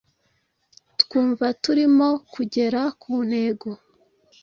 twumva turimo kugera ku ntego